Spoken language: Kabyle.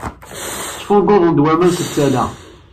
Ttfunguḍen-d waman seg tala-a.